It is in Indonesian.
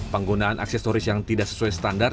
penggunaan aksesoris yang tidak sesuai standar